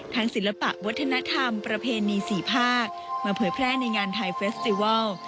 ศิลปะวัฒนธรรมประเพณี๔ภาคมาเผยแพร่ในงานไทยเฟสติวัล